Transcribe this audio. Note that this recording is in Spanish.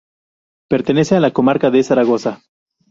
Pertenece a la comarca de Zaragoza.